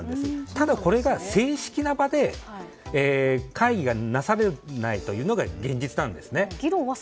ただこれが正式な場で会議がなされないというのが現実です。